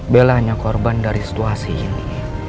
bella hanya korban dari situasi ini